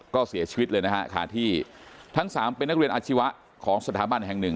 ก็เสียชีวิตเลยนะฮะทั้ง๓เป็นนักเรียนอาชีวะของสถาบันแห่ง๑